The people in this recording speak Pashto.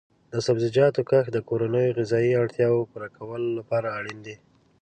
د سبزیجاتو کښت د کورنیو د غذایي اړتیاو پوره کولو لپاره اړین دی.